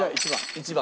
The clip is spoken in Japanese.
１番。